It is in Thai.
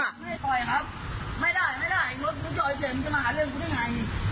ไม่ได้ครับไม่ได้ไม่ได้รถกูจอเฉยมันจะมาหาเรื่องกูได้ไง